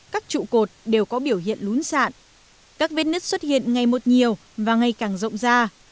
các trụ cột đều có biểu hiện lún sạn các vết nứt xuất hiện ngày một nhiều và ngày càng rộng ra